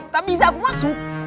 tak bisa aku masuk